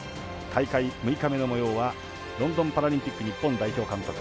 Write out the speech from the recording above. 大会６日目のもようはロンドンパラリンピック日本代表監督